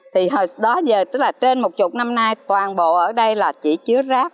thì hồi đó giờ tức là trên một chục năm nay toàn bộ ở đây là chỉ chứa rác